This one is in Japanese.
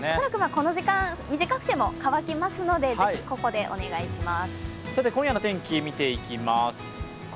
この時間、短くても乾きますのでぜひ、ここでお願いします。